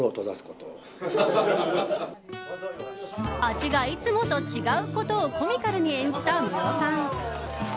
味がいつもと違うことをコミカルに演じたムロさん。